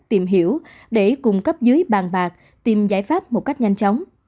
tìm hiểu để cung cấp dưới bàn bạc tìm giải pháp một cách nhanh chóng